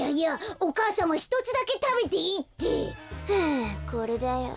あこれだよ。